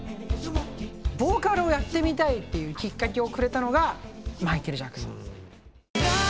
ボーカルをやってみたいっていうきっかけをくれたのがマイケル・ジャクソン。